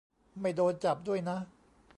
ไม่โดนจับด้วยนะ